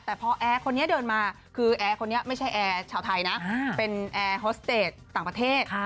แต่พอแอร์คนนี้เดินมาคือแอร์คนนี้ไม่ใช่แอร์ชาวไทยนะเป็นแอร์ฮอสเตจต่างประเทศ